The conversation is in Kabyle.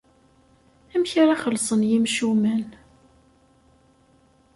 Amek ara xellṣen yimcumen?